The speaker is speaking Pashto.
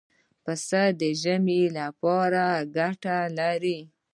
پسه د ژمې لپاره ګټه لري.